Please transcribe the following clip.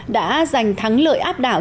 đã giành thắng lợi áp đảo